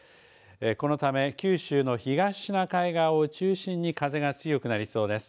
このため九州の東シナ海側を中心に風が強くなりそうです。